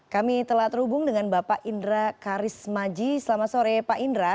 kami telah terhubung dengan bapak indra karismaji selamat sore pak indra